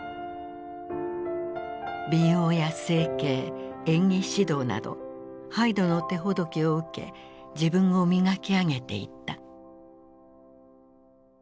美容や整形演技指導などハイドの手ほどきを受け自分を磨き上げていった。